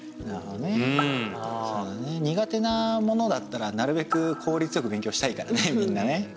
そうだね苦手なものだったらなるべくこうりつよく勉強したいからねみんなね。